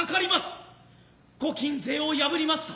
御禁制を破りました